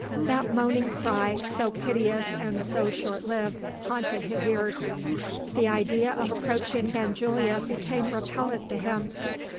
That moaning cry, so piteous and so short lived, haunted his ears. The idea of approaching Benjulia became repellent to him.